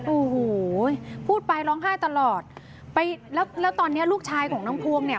โอ้โหพูดไปร้องไห้ตลอดไปแล้วแล้วตอนเนี้ยลูกชายของน้องพวงเนี่ย